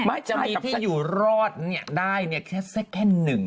ใจประสาทที่อยู่รอดเนี่ยได้เนี่ยเข้าหมุดแค่นึง